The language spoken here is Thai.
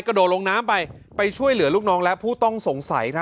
กระโดดลงน้ำไปไปช่วยเหลือลูกน้องและผู้ต้องสงสัย